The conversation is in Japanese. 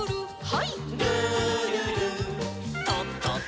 はい。